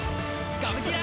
ガブティラ！